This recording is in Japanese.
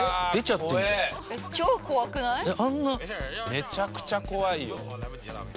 めちゃくちゃ怖いよ。